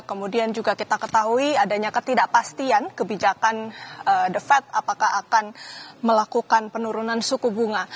kemudian juga kita ketahui adanya ketidakpastian kebijakan the fed apakah akan melakukan penurunan suku bunga